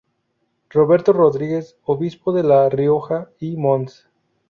Roberto Rodríguez, obispo de La Rioja y Mons.